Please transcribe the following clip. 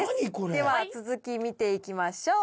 では続き見ていきましょう。